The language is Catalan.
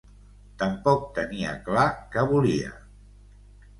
Tampoc tenia clar què volia.